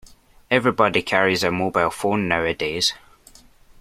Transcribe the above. Everybody carries a mobile phone nowadays